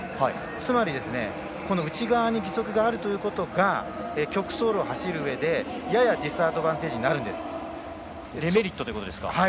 つまり内側に義足があることが曲走路を走るうえでややディスアドバンテージにデメリットと。